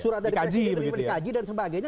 surat dari presiden terima dikaji dan sebagainya